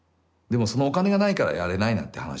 でもそのお金がないからやれないなんて